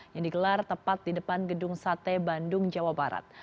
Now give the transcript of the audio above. yang digelar tepat di depan gedung sate bandung jawa barat